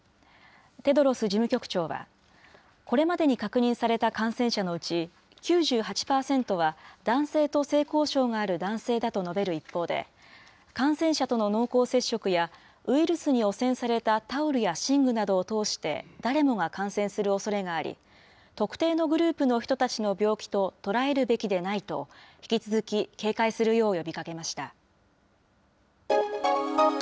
テドロス事務局長は、これまでに確認された感染者のうち、９８％は男性と性交渉がある男性だと述べる一方で、感染者との濃厚接触やウイルスに汚染されたタオルや寝具などを通して誰もが感染するおそれがあり、特定のグループの人たちの病気と捉えるべきでないと、引き続き警戒するよう呼びかけました。